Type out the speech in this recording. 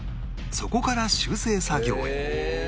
そこから修正作業へ